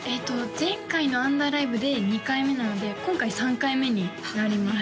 前回のアンダーライブで２回目なので今回３回目になります